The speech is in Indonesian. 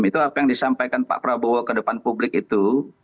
itu apa yang disampaikan pak prabowo ke depan publik itu